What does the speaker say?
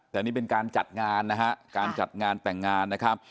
แต่นี่เป็นการจัดงานนะฮะการจัดงานแต่งงานนะครับ